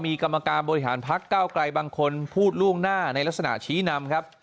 มีกรรมการบริหารพักเก้าไกลบางคนพูดล่วงหน้าในลักษณะชี้นำครับ